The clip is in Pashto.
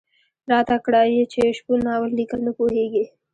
راته کړه یې چې شپون ناول ليکل نه پوهېږي.